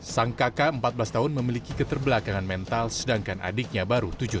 sang kakak empat belas tahun memiliki keterbelakangan mental sedangkan adiknya berada di rumah